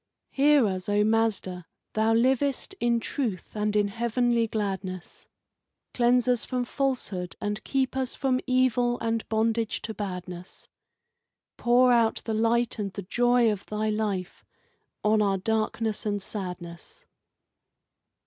Hear us, O Mazda! Thou livest in truth and in heavenly gladness; Cleanse us from falsehood, and keep us from evil and bondage to badness, Pour out the light and the joy of Thy life on our darkness and sadness.